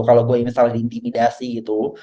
kalau gue misalnya diintimidasi gitu